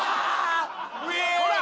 ほら！